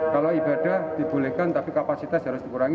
kalau ibadah dibolehkan tapi kapasitas harus dikurangi